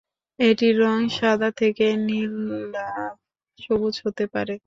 এটির রং সাদা থেকে নীলাভ সবুজ হতে পারে।